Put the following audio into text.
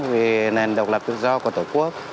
vì nền độc lập tự do của tổ quốc